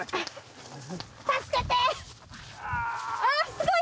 すごい。